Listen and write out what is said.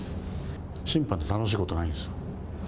審判って楽しいことないんですよ。